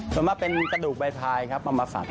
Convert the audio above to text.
ส่วนมากเป็นกระดูกใบพายของสัตว์